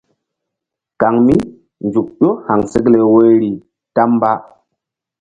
Kaŋ mí nzuk ƴó haŋsekle woyri ta mba.